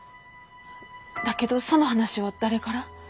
だけどその話は誰から？